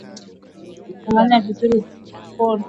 Changanya vizuri viazi vilivyopondwa